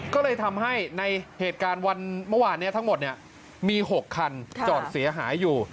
ก็เลยทำให้ในเหตุการณ์วันเมื่อวานนี้ทั้งหมดมี๖คันจอดเสียหายอยู่